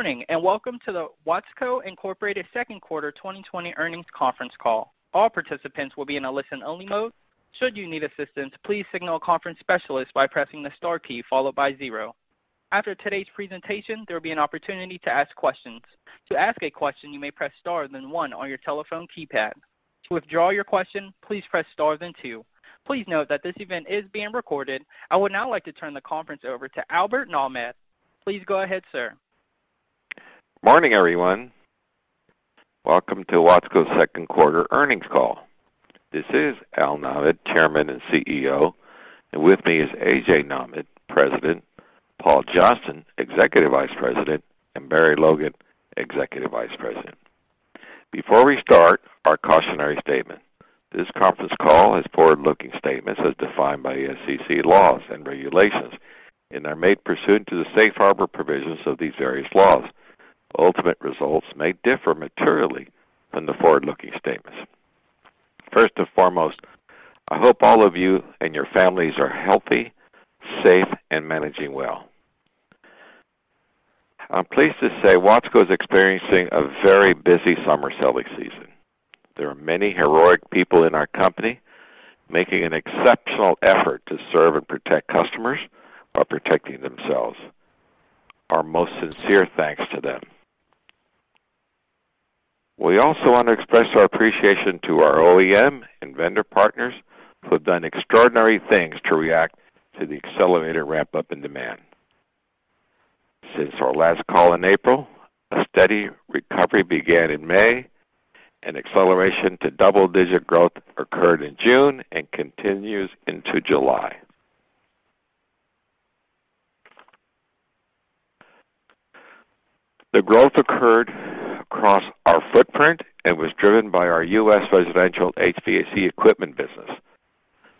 Good morning and welcome to the Watsco Incorporated Second Quarter 2020 Earnings Conference Call. All participants will be in a listen-only mode. Should you need assistance please signal conference specialist by pressing the star key followed by zero. After today's presentation, there will be an opportunity to ask questions. To ask a question, you may press star then one on your telephone keypad. To withdraw your question, please press star then two. Please note that this event is being recorded. I would now like to turn the conference over to Albert Nahmad. Please go ahead, sir. Morning, everyone. Welcome to Watsco's Second Quarter Earnings Call. This is Al Nahmad, Chairman and CEO, and with me is A.J. Nahmad, President, Paul Johnston, Executive Vice President, and Barry Logan, Executive Vice President. Before we start, our cautionary statement. This conference call has forward-looking statements as defined by SEC laws and regulations and are made pursuant to the safe harbor provisions of these various laws. Ultimate results may differ materially from the forward-looking statements. First and foremost, I hope all of you and your families are healthy, safe, and managing well. I'm pleased to say Watsco is experiencing a very busy summer selling season. There are many heroic people in our company making an exceptional effort to serve and protect customers while protecting themselves. Our most sincere thanks to them. We also want to express our appreciation to our OEM and vendor partners who have done extraordinary things to react to the accelerated ramp-up in demand. Since our last call in April, a steady recovery began in May, and acceleration to double-digit growth occurred in June and continues into July. The growth occurred across our footprint and was driven by our U.S. residential HVAC equipment business,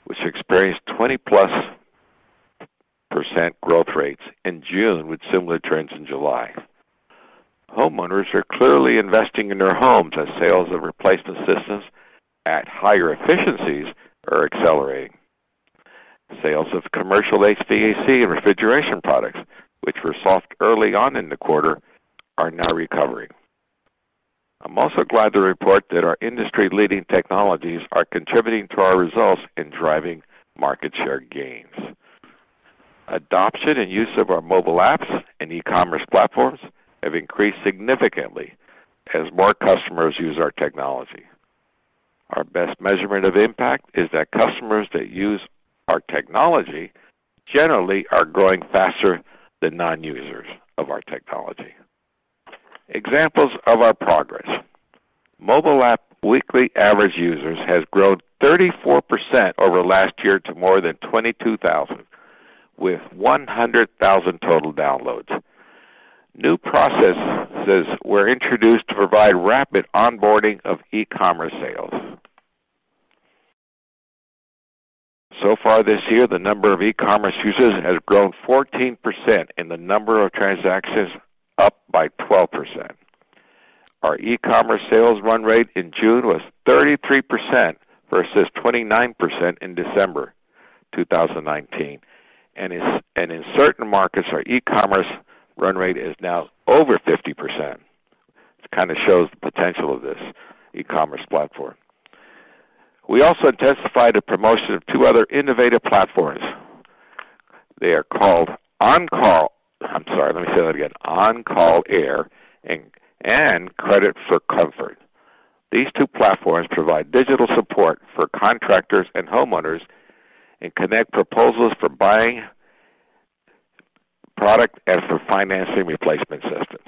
which experienced 20%+ growth rates in June with similar trends in July. Homeowners are clearly investing in their homes as sales of replacement systems at higher efficiencies are accelerating. Sales of commercial HVAC and refrigeration products, which were soft early on in the quarter, are now recovering. I'm also glad to report that our industry-leading technologies are contributing to our results in driving market share gains. Adoption and use of our mobile apps and e-commerce platforms have increased significantly as more customers use our technology. Our best measurement of impact is that customers that use our technology generally are growing faster than non-users of our technology. Examples of our progress. Mobile app weekly average users has grown 34% over last year to more than 22,000, with 100,000 total downloads. New processes were introduced to provide rapid onboarding of e-commerce sales. Far this year, the number of e-commerce users has grown 14% and the number of transactions up by 12%. Our e-commerce sales run rate in June was 33% versus 29% in December 2019. In certain markets, our e-commerce run rate is now over 50%. It kinda shows the potential of this e-commerce platform. We also testified a promotion of two other innovative platforms. They are called OnCall Air and Credit for Comfort. These two platforms provide digital support for contractors and homeowners and connect proposals for buying product as for financing replacement systems.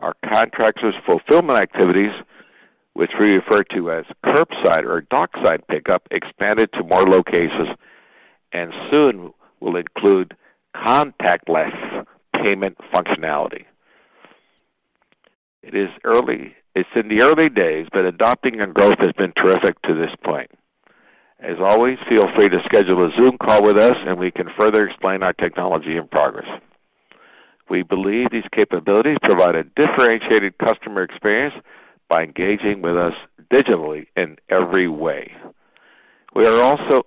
Our contractors fulfillment activities, which we refer to as curbside or dockside pickup, expanded to more locations and soon will include contactless payment functionality. It is early. It's in the early days, but adopting and growth has been terrific to this point. As always, feel free to schedule a Zoom call with us, and we can further explain our technology and progress. We believe these capabilities provide a differentiated customer experience by engaging with us digitally in every way. We are also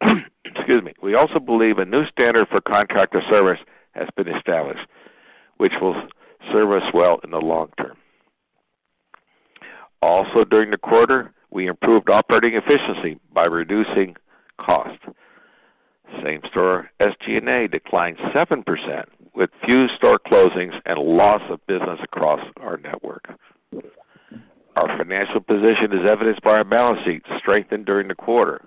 Excuse me. We also believe a new standard for contractor service has been established, which will serve us well in the long term. During the quarter, we improved operating efficiency by reducing costs. Same-store SG&A declined 7% with few store closings and loss of business across our network. Our financial position, as evidenced by our balance sheet, strengthened during the quarter.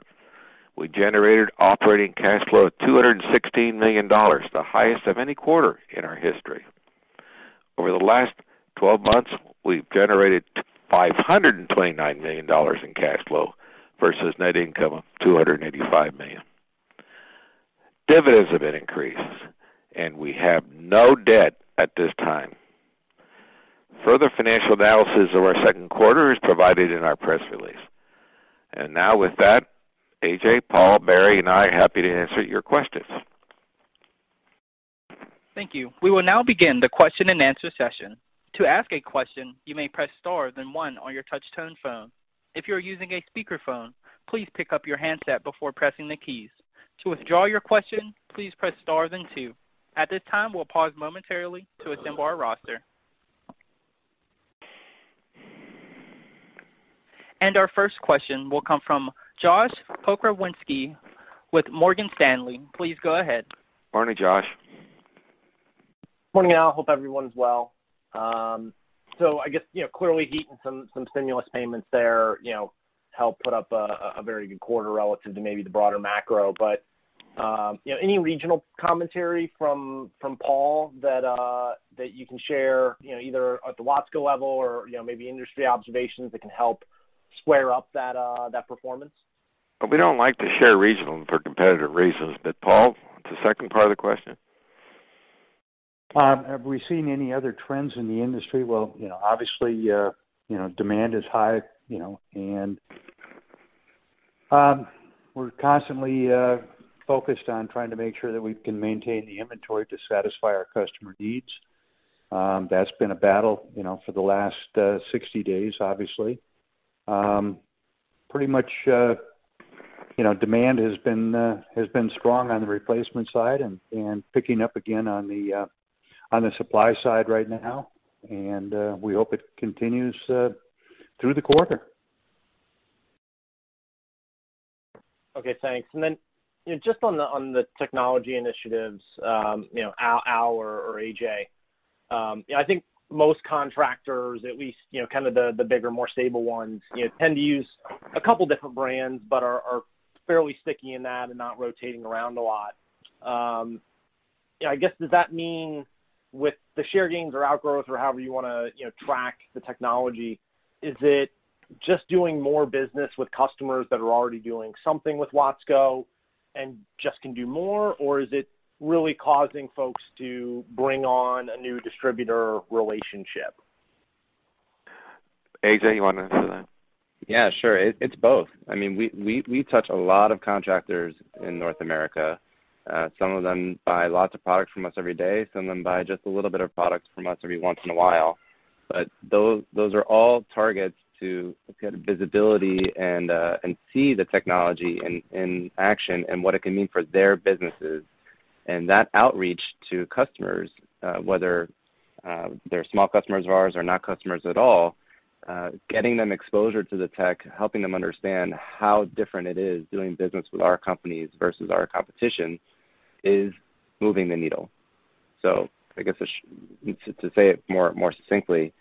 We generated operating cash flow of $216 million, the highest of any quarter in our history. Over the last 12 months, we've generated $529 million in cash flow versus net income of $285 million. Dividends have been increased, and we have no debt at this time. Further financial analysis of our second quarter is provided in our press release. Now with that, A.J., Paul, Barry Logan, and I are happy to answer your questions. Thank you. We will now begin the question and answer session. To ask a question, you may press star then one on your touch-tone phone. If you're using a speakerphone, please pick up your handset before pressing the keys. To withdraw your question, please press star then two. At this time, we'll pause momentarily to assemble our roster. Our first question will come from Josh Pokrzywinski with Morgan Stanley. Please go ahead. Morning, Josh. Morning, Al. Hope everyone's well. I guess, you know, clearly heat and some stimulus payments there, you know, helped put up a very good quarter relative to maybe the broader macro. You know, any regional commentary from Paul that you can share, you know, either at the Watsco level or, you know, maybe industry observations that can help square up that performance? We don't like to share regional for competitive reasons. Paul, the second part of the question. Have we seen any other trends in the industry? Well, you know, obviously, you know, demand is high, you know, we're constantly focused on trying to make sure that we can maintain the inventory to satisfy our customer needs. That's been a battle, you know, for the last 60 days, obviously. Pretty much, you know, demand has been strong on the replacement side, picking up again on the supply side right now, we hope it continues through the quarter. Okay, thanks. You know, just on the, on the technology initiatives, you know, Al or A.J., you know, I think most contractors at least, you know, kind of the bigger, more stable ones, you know, tend to use a couple different brands but are fairly sticky in that and not rotating around a lot. I guess, does that mean with the share gains or outgrowth or however you wanna, you know, track the technology, is it just doing more business with customers that are already doing something with Watsco and just can do more? Or is it really causing folks to bring on a new distributor relationship? A.J., you wanna answer that? Yeah, sure. It's both. I mean, we touch a lot of contractors in North America. Some of them buy lots of products from us every day. Some of them buy just a little bit of products from us every once in a while. But those are all targets to get visibility and see the technology in action and what it can mean for their businesses. That outreach to customers, whether they're small customers of ours or not customers at all, getting them exposure to the tech, helping them understand how different it is doing business with our companies versus our competition is moving the needle. I guess to say it more succinctly,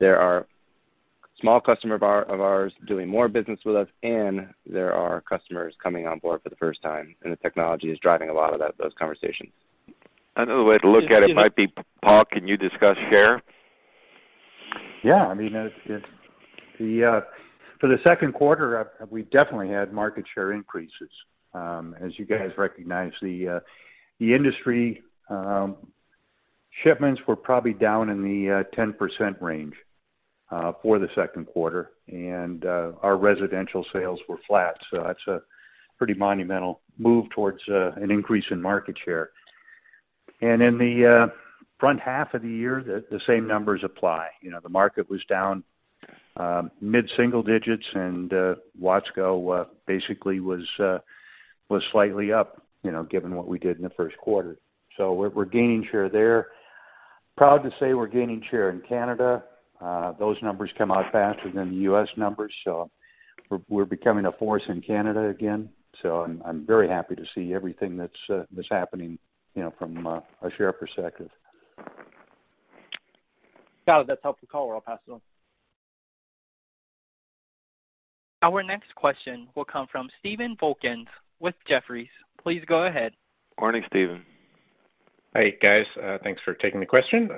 there are small customer of ours doing more business with us, and there are customers coming on board for the first time, and the technology is driving a lot of that, those conversations. Another way to look at it might be, Paul, can you discuss share? Yeah. I mean, for the second quarter, we definitely had market share increases. As you guys recognize, the industry shipments were probably down in the 10% range for the second quarter, and our residential sales were flat. That's a pretty monumental move towards an increase in market share. In the front half of the year, the same numbers apply. You know, the market was down mid-single digits, and Watsco basically was slightly up, you know, given what we did in the first quarter. We're gaining share there. Proud to say we're gaining share in Canada. Those numbers come out faster than the U.S. numbers, so we're becoming a force in Canada again. I'm very happy to see everything that's happening, you know, from a share perspective. Got it. That's helpful, Paul Johnston. I'll pass it on. Our next question will come from Stephen Volkmann with Jefferies. Please go ahead. Morning, Stephen. Hey, guys. Thanks for taking the question.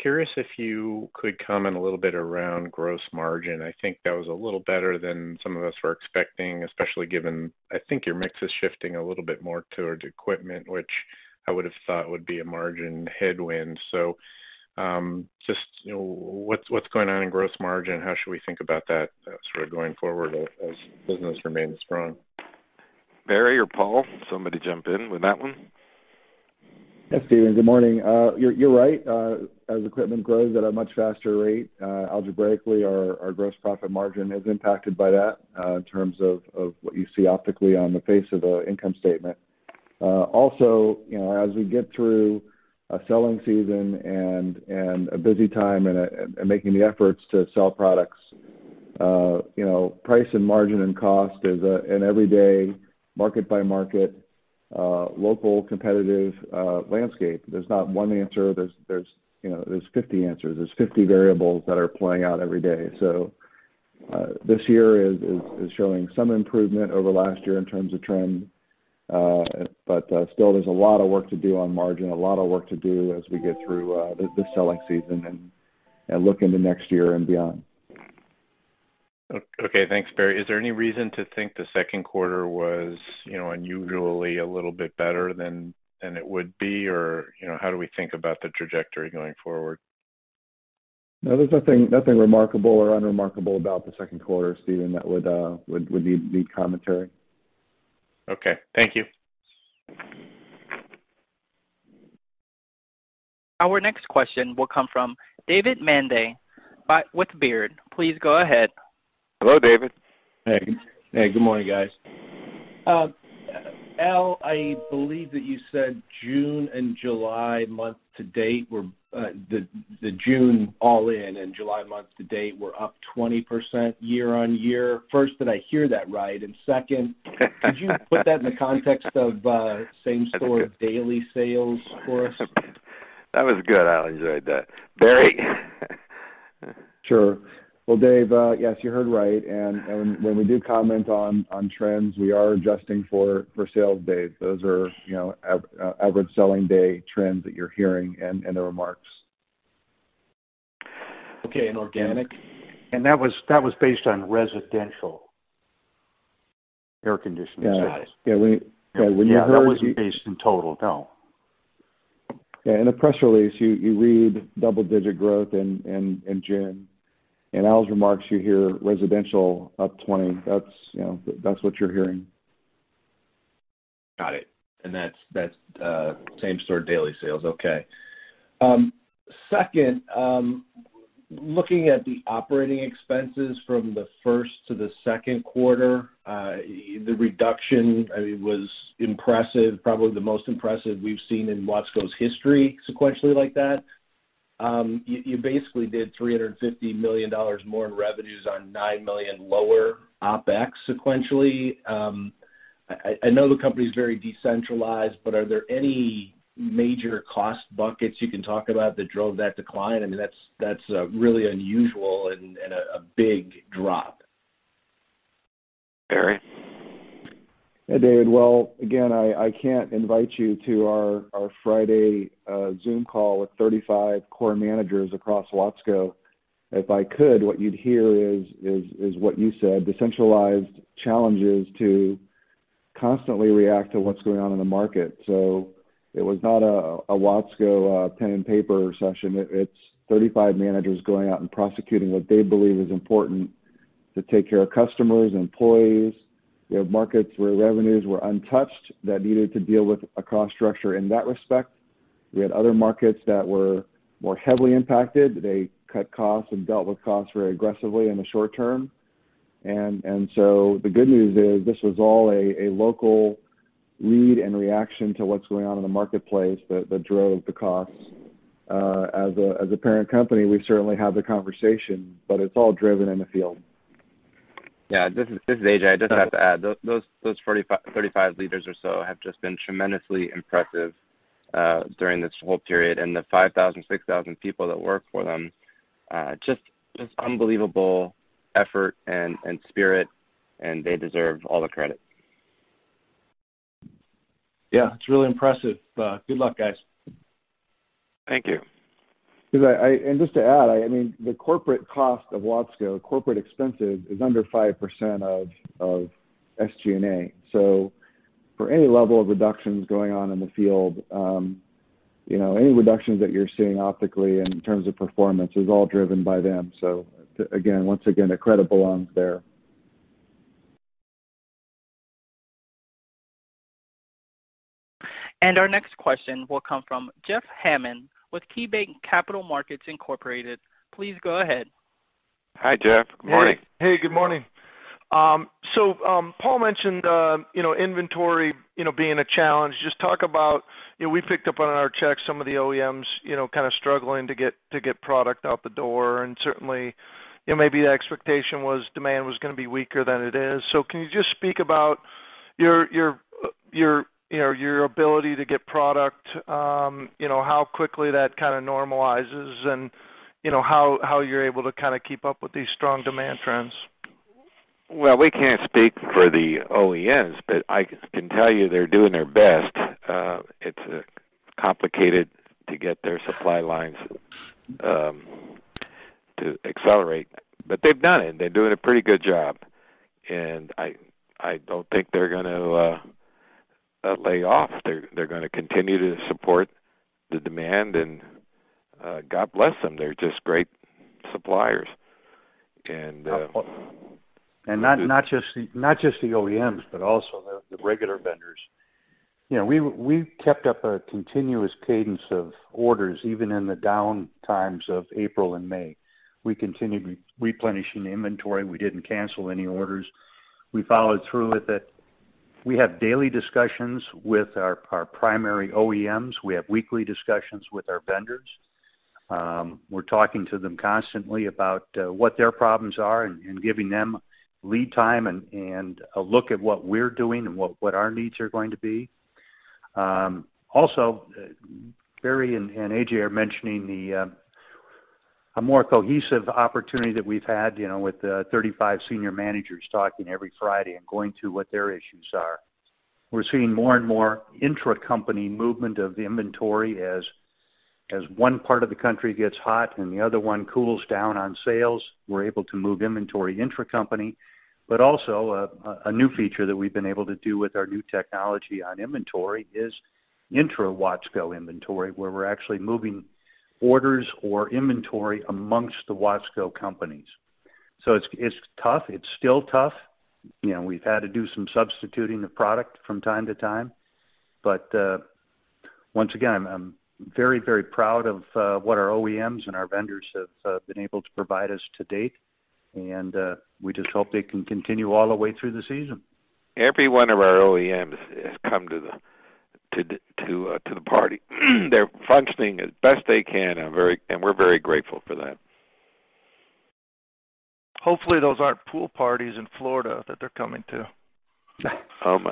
Curious if you could comment a little bit around gross margin. I think that was a little better than some of us were expecting, especially given, I think, your mix is shifting a little bit more towards equipment, which I would have thought would be a margin headwind. Just, you know, what's going on in gross margin? How should we think about that sort of going forward as business remains strong? Barry or Paul, somebody jump in with that one. Yes, Stephen. Good morning. You're right. As equipment grows at a much faster rate, algebraically our gross profit margin is impacted by that, in terms of what you see optically on the face of the income statement. Also, you know, as we get through a selling season and a busy time and making the efforts to sell products, you know, price and margin and cost is an everyday market-by-market, local competitive landscape. There's not one answer. There's, you know, 50 answers. There's 50 variables that are playing out every day. This year is showing some improvement over last year in terms of trend. Still there's a lot of work to do on margin, a lot of work to do as we get through the selling season and look into next year and beyond. Okay, thanks, Barry. Is there any reason to think the second quarter was, you know, unusually a little bit better than it would be? you know, how do we think about the trajectory going forward? No, there's nothing remarkable or unremarkable about the second quarter, Stephen, that would need commentary. Okay. Thank you. Our next question will come from David Manthey with Baird. Please go ahead. Hello, David. Hey. Hey, good morning, guys. Al, I believe that you said June and July month to date were the June all-in and July month to date were up 20% year-over-year. First, did I hear that right? Second, could you put that in the context of same store daily sales for us? That was good. I enjoyed that. Barry? Sure. Well, Dave, yes, you heard right. When we do comment on trends, we are adjusting for sales date. Those are, you know, average selling day trends that you're hearing in the remarks. Okay, organic? That was based on residential air conditioning sales. Yeah. Yeah, when you heard- Yeah, that wasn't based in total, no. In the press release, you read double-digit growth in June. In Albert's remarks, you hear residential up 20%. That's, you know, that's what you're hearing. Got it. That's same store daily sales. Okay. Second, looking at the operating expenses from the first to the second quarter, the reduction, I mean, was impressive, probably the most impressive we've seen in Watsco's history sequentially like that. You basically did $350 million more in revenues on $9 million lower OpEx sequentially. I know the company's very decentralized, but are there any major cost buckets you can talk about that drove that decline? I mean, that's really unusual and a big drop. Barry? Yeah, David. Well, again, I can't invite you to our Friday, Zoom call with 35 core managers across Watsco. If I could, what you'd hear is what you said, decentralized challenges to constantly react to what's going on in the market. It was not a Watsco, pen and paper session. It's 35 managers going out and prosecuting what they believe is important to take care of customers, employees. We have markets where revenues were untouched that needed to deal with a cost structure in that respect. We had other markets that were more heavily impacted. They cut costs and dealt with costs very aggressively in the short term. The good news is this was all a local read and reaction to what's going on in the marketplace that drove the costs. As a parent company, we certainly have the conversation, but it's all driven in the field. Yeah, this is A.J. I just have to add, those 35 leaders or so have just been tremendously impressive during this whole period. The 5,000, 6,000 people that work for them just unbelievable effort and spirit, and they deserve all the credit. Yeah, it's really impressive. Good luck, guys. Thank you. Because and just to add, I mean, the corporate cost of Watsco, corporate expenses is under 5% of SG&A. For any level of reductions going on in the field, you know, any reductions that you're seeing optically in terms of performance is all driven by them. Again, once again, the credit belongs there. Our next question will come from Jeff Hammond with KeyBanc Capital Markets Inc. Please go ahead. Hi, Jeff. Good morning. Hey. Hey, good morning. Paul mentioned, you know, inventory, you know, being a challenge. Just talk about, you know, we picked up on our checks some of the OEMs, you know, kind of struggling to get product out the door. Certainly, you know, maybe the expectation was demand was gonna be weaker than it is. Can you just speak about your ability to get product, you know, how quickly that kind of normalizes and, you know, how you're able to kind of keep up with these strong demand trends? Well, we can't speak for the OEMs, but I can tell you they're doing their best. It's complicated to get their supply lines to accelerate. They've done it, and they're doing a pretty good job. I don't think they're gonna lay off. They're gonna continue to support the demand, and God bless them. They're just great suppliers. Not just the OEMs, but also the regular vendors. You know, we've kept up a continuous cadence of orders, even in the down times of April and May. We continued replenishing inventory. We didn't cancel any orders. We followed through with it. We have daily discussions with our primary OEMs. We have weekly discussions with our vendors. We're talking to them constantly about what their problems are and giving them lead time and a look at what we're doing and what our needs are going to be. Also, Barry and A.J. are mentioning a more cohesive opportunity that we've had, you know, with the 35 senior managers talking every Friday and going to what their issues are. We're seeing more and more intracompany movement of the inventory. As one part of the country gets hot and the other one cools down on sales, we're able to move inventory intracompany. Also, a new feature that we've been able to do with our new technology on inventory is intra-Watsco inventory, where we're actually moving orders or inventory amongst the Watsco companies. It's tough. It's still tough. You know, we've had to do some substituting the product from time to time. Once again, I'm very, very proud of what our OEMs and our vendors have been able to provide us to date. We just hope they can continue all the way through the season. Every one of our OEMs has come to the party. They're functioning as best they can, and we're very grateful for that. Hopefully, those aren't pool parties in Florida that they're coming to. Oh my.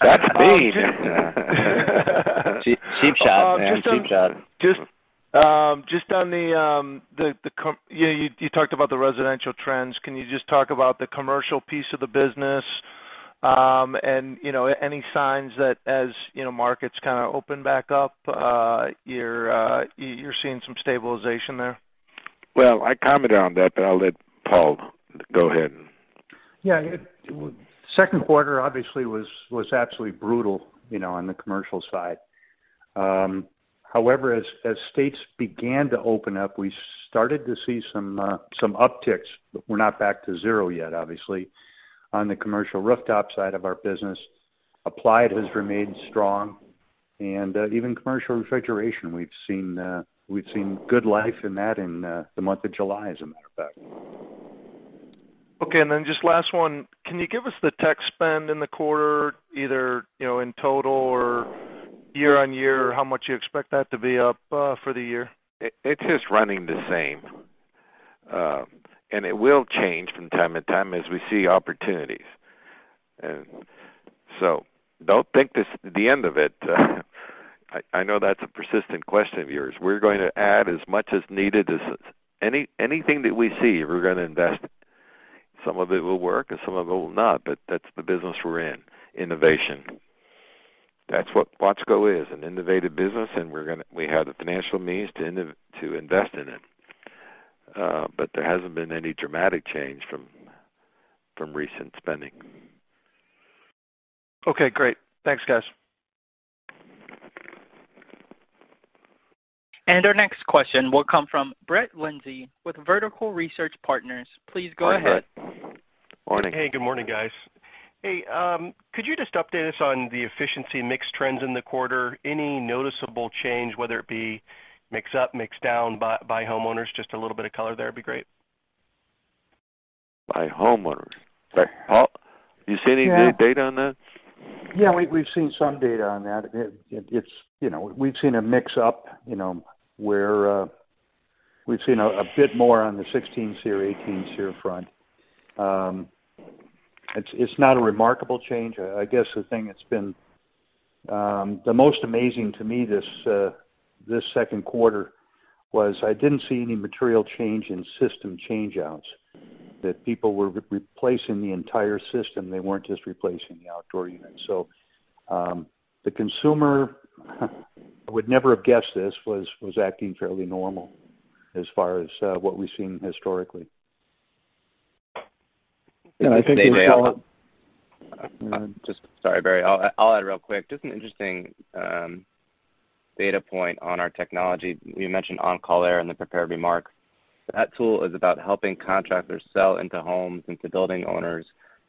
That's mean. Cheap shot, man. Cheap shot. Just on the, you talked about the residential trends. Can you just talk about the commercial piece of the business, and, you know, any signs that as, you know, markets kind of open back up, you're seeing some stabilization there? Well, I commented on that, but I'll let Paul go ahead and. Yeah. Second quarter obviously was absolutely brutal, you know, on the commercial side. However, as states began to open up, we started to see some upticks. We're not back to zero yet, obviously, on the commercial rooftop side of our business. Applied has remained strong, and even commercial refrigeration, we've seen good life in that in the month of July, as a matter of fact. Okay. Then just last one, can you give us the tech spend in the quarter, either, you know, in total or year-over-year, how much you expect that to be up for the year? It is running the same. It will change from time to time as we see opportunities. Don't think this the end of it. I know that's a persistent question of yours. We're going to add as much as needed as anything that we see, we're gonna invest. Some of it will work and some of it will not, but that's the business we're in, innovation. That's what Watsco is, an innovative business, and we have the financial means to invest in it. There hasn't been any dramatic change from recent spending. Okay, great. Thanks, guys. Our next question will come from Brett Linzey with Vertical Research Partners. Please go ahead. Hi, Brett. Morning. Hey, good morning, guys. Hey, could you just update us on the efficiency mix trends in the quarter? Any noticeable change, whether it be mix up, mix down by homeowners? Just a little bit of color there would be great. By homeowners? Sorry, Paul, you see any new data on that? Yeah. Yeah, we've seen some data on that. It's, you know, we've seen a mix up, you know, where we've seen a bit more on the 16 SEER, 18 SEER front. It's not a remarkable change. I guess the thing that's been the most amazing to me this 2Q was I didn't see any material change in system change outs, that people were replacing the entire system. They weren't just replacing the outdoor unit. The consumer, I would never have guessed this, was acting fairly normal as far as what we've seen historically. Yeah, I think. Sorry, Barry. I'll add real quick. Just an interesting data point on our technology. You mentioned OnCall Air in the prepared remarks. That tool is about helping contractors sell into homes and to building owners,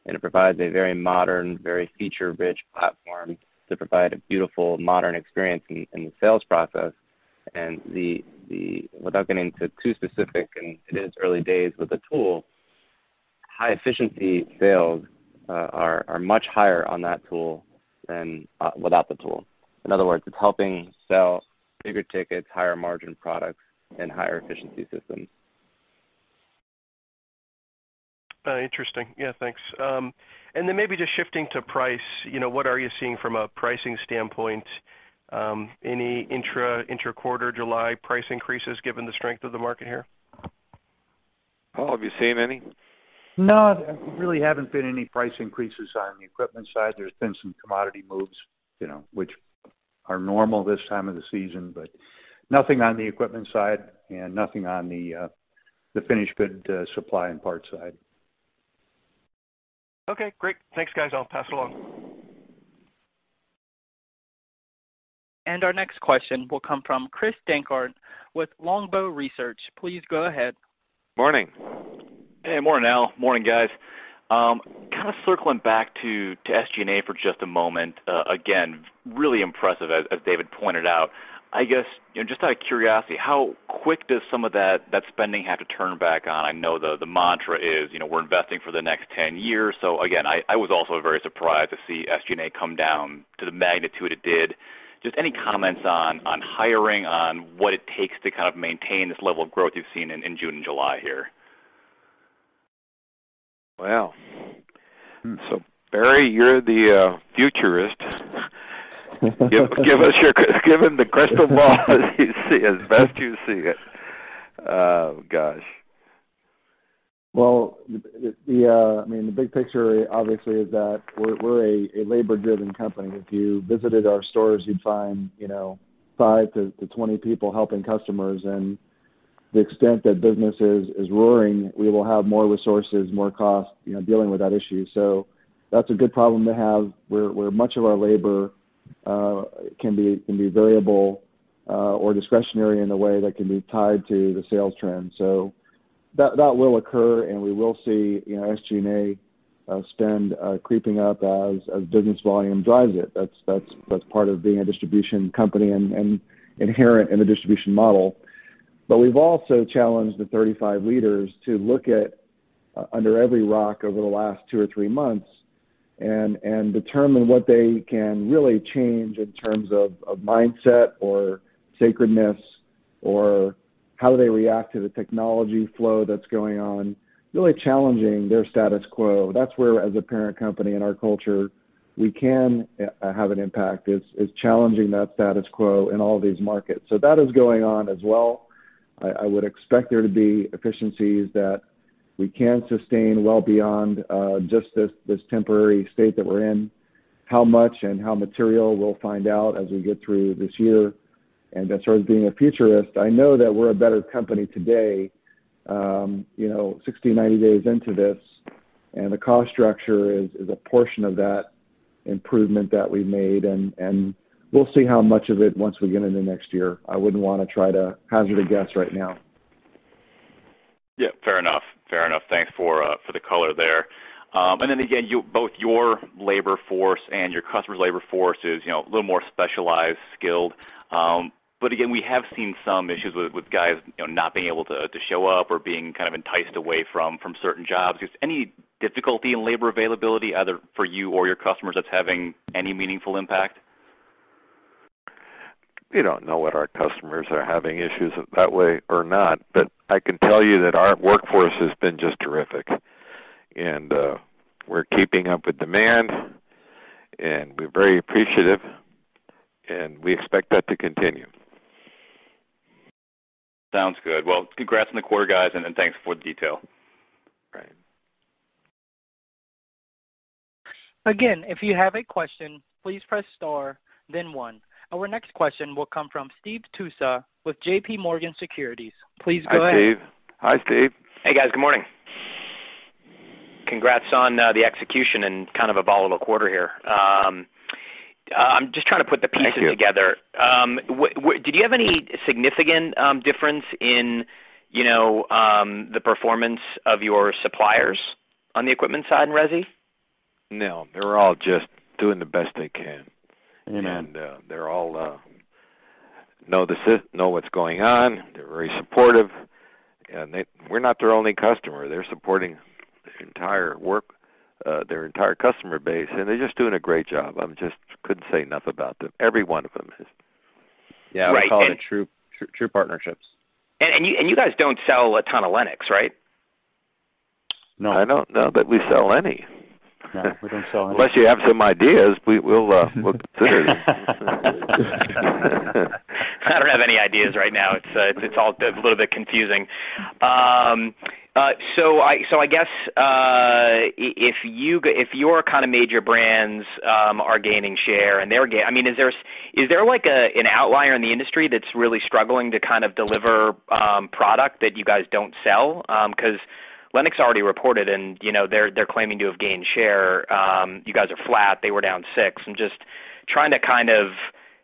it provides a very modern, very feature-rich platform to provide a beautiful modern experience in the sales process. Without getting into too specific, and it is early days with the tool, high efficiency sales are much higher on that tool than without the tool. In other words, it's helping sell bigger tickets, higher margin products and higher efficiency systems. Interesting. Yeah, thanks. Then maybe just shifting to price, you know, what are you seeing from a pricing standpoint? Any intra-interquarter July price increases given the strength of the market here? Paul, have you seen any? No, there really haven't been any price increases on the equipment side. There's been some commodity moves, you know, which are normal this time of the season, but nothing on the equipment side and nothing on the the finished good supply and parts side. Okay, great. Thanks, guys. I'll pass along. Our next question will come from Chris Dankert with Longbow Research. Please go ahead. Morning. Hey, morning, Al. Morning, guys. Kind of circling back to SG&A for just a moment. Again, really impressive as David pointed out. I guess, you know, just out of curiosity, how quick does some of that spending have to turn back on? I know the mantra is, you know, we're investing for the next 10 years. Again, I was also very surprised to see SG&A come down to the magnitude it did. Just any comments on hiring, on what it takes to kind of maintain this level of growth you've seen in June and July here? Barry, you're the futurist. Give us your Given the crystal ball as you see, as best you see it. Oh, gosh. Well, I mean, the big picture obviously is that we're a labor-driven company. If you visited our stores, you'd find, you know, five to 20 people helping customers. The extent that business is roaring, we will have more resources, more costs, you know, dealing with that issue. That's a good problem to have. We're much of our labor can be variable or discretionary in a way that can be tied to the sales trends. That will occur, and we will see, you know, SG&A spend creeping up as business volume drives it. That's part of being a distribution company and inherent in the distribution model. We've also challenged the 35 leaders to look at under every rock over the last two or three months and determine what they can really change in terms of mindset or sacredness or how they react to the technology flow that's going on, really challenging their status quo. That's where, as a parent company in our culture, we can have an impact, is challenging that status quo in all these markets. That is going on as well. I would expect there to be efficiencies that we can sustain well beyond just this temporary state that we're in. How much and how material, we'll find out as we get through this year. As far as being a futurist, I know that we're a better company today, you know, 60, 90 days into this, and the cost structure is a portion of that improvement that we made, and we'll see how much of it once we get into next year. I wouldn't wanna try to hazard a guess right now. Yeah. Fair enough. Fair enough. Thanks for the color there. Then again, both your labor force and your customers' labor force is, you know, a little more specialized, skilled. Again, we have seen some issues with guys, you know, not being able to show up or being kind of enticed away from certain jobs. Is any difficulty in labor availability either for you or your customers that's having any meaningful impact? We don't know whether our customers are having issues that way or not, but I can tell you that our workforce has been just terrific. We're keeping up with demand, and we're very appreciative, and we expect that to continue. Sounds good. Well, congrats on the quarter, guys, and then thanks for the detail. Right. If you have a question, please press star then one. Our next question will come from Steve Tusa with JPMorgan Securities. Please go ahead. Hi, Steve. Hi, Steve. Hey, guys. Good morning. Congrats on the execution and kind of a ball of a quarter here. I'm just trying to put the pieces together. Thank you. Did you have any significant difference in, you know, the performance of your suppliers on the equipment side in resi? No, they're all just doing the best they can. Amen. They're all know what's going on. They're very supportive. We're not their only customer. They're supporting this entire work, their entire customer base, and they're just doing a great job. I'm just couldn't say enough about them. Every one of them is. Right. Yeah, we call it true partnerships. You guys don't sell a ton of Lennox, right? No. I don't know that we sell any. No, we don't sell any. Unless you have some ideas, we'll consider them. I don't have any ideas right now. It's all a little bit confusing. I guess if your kind of major brands are gaining share, and they're gain I mean, is there, like, an outlier in the industry that's really struggling to kind of deliver product that you guys don't sell? Because Lennox already reported, and, you know, they're claiming to have gained share. You guys are flat. They were down six. I'm just trying to kind of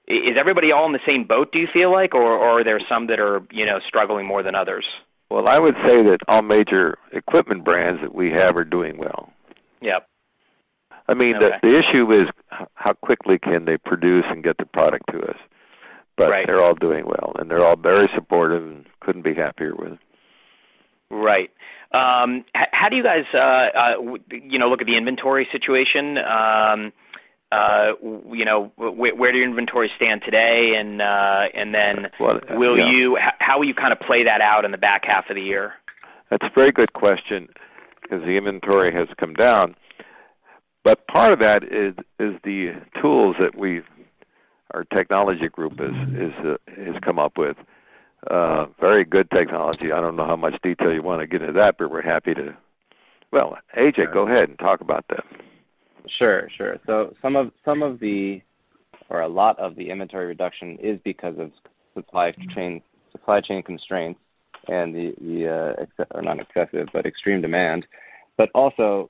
is everybody all in the same boat, do you feel like, or are there some that are, you know, struggling more than others? Well, I would say that all major equipment brands that we have are doing well. Yep. Okay. I mean, the issue is how quickly can they produce and get the product to us. Right. They're all doing well, and they're all very supportive and couldn't be happier with. Right. How do you guys, you know, look at the inventory situation? Where do your inventory stand today, and then? Well, yeah. Will you how will you kinda play that out in the back half of the year? That's a very good question 'cause the inventory has come down. Part of that is the tools that our technology group has come up with very good technology. I don't know how much detail you wanna get into that, but we're happy to. Well, A.J., go ahead and talk about that. Sure. Sure. Some of the, or a lot of the inventory reduction is because of supply chain constraints and the not excessive, but extreme demand. Also,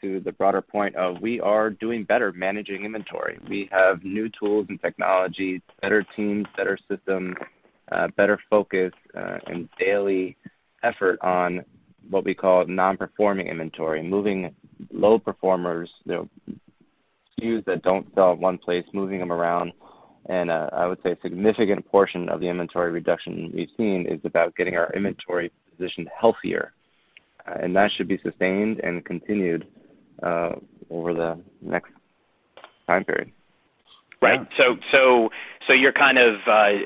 to the broader point of we are doing better managing inventory. We have new tools and technologies, better teams, better systems, better focus and daily effort on what we call non-performing inventory, moving low performers, you know, SKUs that don't sell at one place, moving them around. I would say a significant portion of the inventory reduction we've seen is about getting our inventory position healthier, and that should be sustained and continued over the next time period. Right. You're kind of,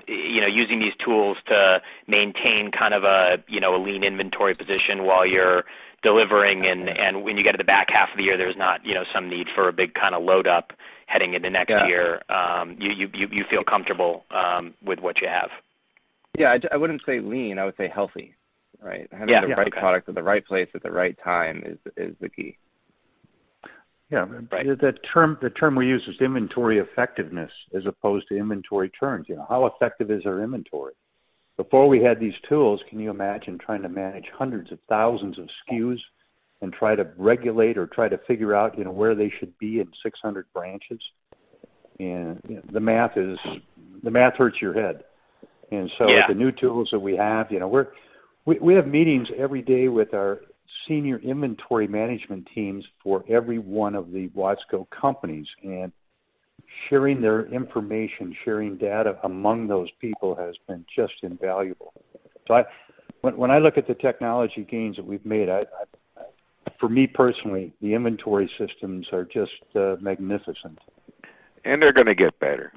you know, using these tools to maintain kind of a, you know, a lean inventory position while you're delivering, and when you get to the back half of the year, there's not, you know, some need for a big kinda load up heading into next year. Yeah. You feel comfortable with what you have? Yeah, I wouldn't say lean, I would say healthy. Right? Yeah. Yeah. Having the right product at the right place at the right time is the key. Yeah. Right. The term we use is inventory effectiveness as opposed to inventory turns. You know, how effective is our inventory? Before we had these tools, can you imagine trying to manage hundreds of thousands of SKUs and try to regulate or try to figure out, you know, where they should be in 600 branches? You know, the math is The math hurts your head. Yeah. With the new tools that we have, you know, we have meetings every day with our senior inventory management teams for every one of the Watsco companies, and sharing their information, sharing data among those people has been just invaluable. When I look at the technology gains that we've made, I, for me personally, the inventory systems are just magnificent. They're gonna get better.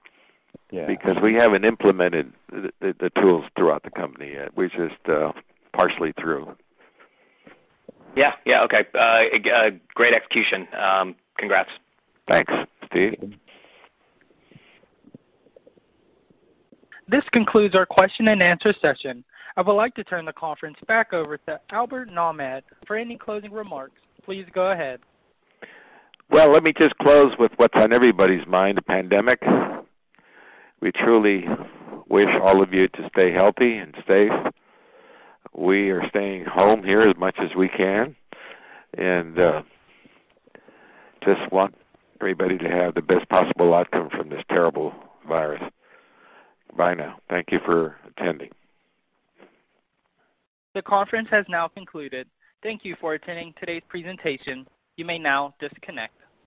Yeah. We haven't implemented the tools throughout the company yet. We're just partially through. Yeah. Yeah. Okay. Great execution. Congrats. Thanks, Steve. This concludes our question and answer session. I would like to turn the conference back over to Albert Nahmad for any closing remarks. Please go ahead. Well, let me just close with what's on everybody's mind, the pandemic. We truly wish all of you to stay healthy and safe. We are staying home here as much as we can, and just want everybody to have the best possible outcome from this terrible virus. Bye now. Thank you for attending. The conference has now concluded. Thank you for attending today's presentation. You may now disconnect.